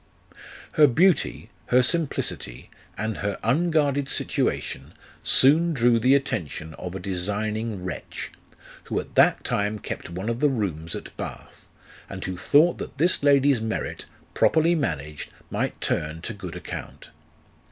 Her beauty, her simplicity, and her unguarded situation soon drew the attention of a designing wretch, who at that time kept one of the rooms at Bath, and who thought that this lady's merit, properly managed, might turn to good account.